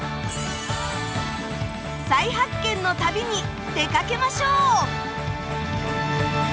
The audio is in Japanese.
再発見の旅に出かけましょう。